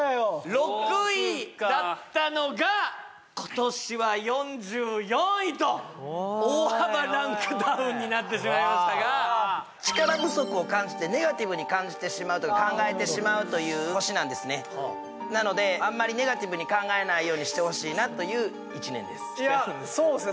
６位だったのが今年は４４位と大幅ランクダウンになってしまいましたが力不足を感じてネガティブに感じてしまうというか考えてしまうという星なんですねなのであんまりネガティブに考えないようにしてほしいなという１年ですそうですね